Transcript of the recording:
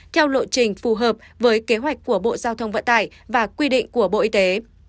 theo lộ trình phù hợp với kế hoạch của bộ giao thông vận tải và quy định của bộ y tế